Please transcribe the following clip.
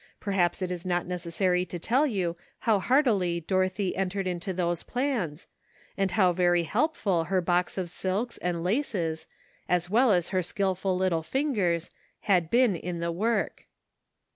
Perhaps it is not necessary to tell you how heartily Dorothy entered into those plans, and how very helpful her box of silks and laces, as well as her skillful little fingers, had been in the work.